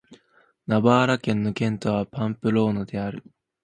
ナバーラ県の県都はパンプローナである